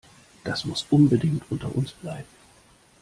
Das muss unbedingt unter uns bleiben.